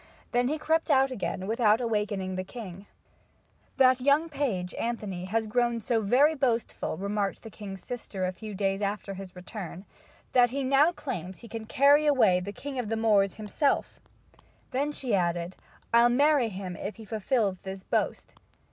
Then he crept out again without awakening the king. [Illustration: He climbed up the high wall of the palace] "That young page, Anthony, has grown so very boastful," remarked the king's sister a few days after his return, "that he now claims that he can carry away the king of the Moors himself." Then she added, "I'll marry him if he fulfills this boast."